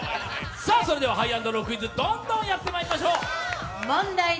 それではハイ＆ロークイズ、どんどんやってまいりましょう。